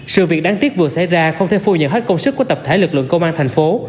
sự việc đáng tiếc vừa xảy ra không thể phô nhờ hết công sức của tập thể lực lượng công an thành phố